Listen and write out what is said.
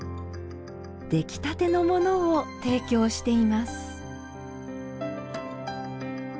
出来たてのものを提供しています。